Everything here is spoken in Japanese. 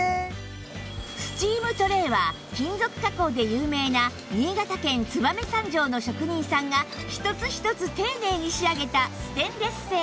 スチームトレーは金属加工で有名な新潟県燕三条の職人さんが一つ一つ丁寧に仕上げたステンレス製